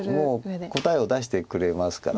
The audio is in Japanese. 答えを出してくれますから。